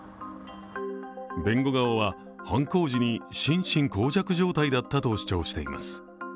弁護側は犯行時に心神耗弱状態だったと主張しています。